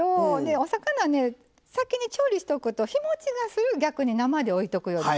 お魚ね先に調理しておくと日もちがする逆に生で置いとくよりも。